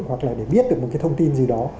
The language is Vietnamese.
hoặc là để biết được một cái thông tin gì đó